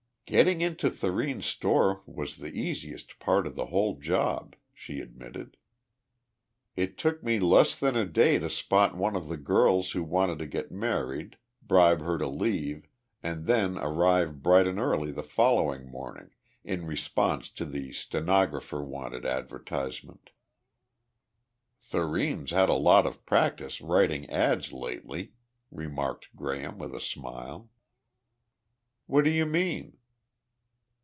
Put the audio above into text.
"Getting into Thurene's store was the easiest part of the whole job," she admitted. "It took me less than a day to spot one of the girls who wanted to get married, bribe her to leave, and then arrive bright and early the following morning, in response to the 'stenographer wanted' advertisement." "Thurene's had a lot of practice writing ads lately," remarked Graham, with a smile. "What do you mean?"